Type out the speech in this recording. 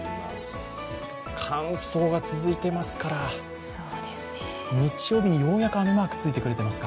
乾燥が続いていますから日曜日にようやく雨マークついてくれてます。